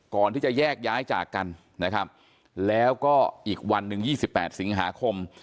ก่อนที่จะแยกย้ายจากกันนะครับแล้วก็อีกวันหนึ่ง๒๘สิงหาคม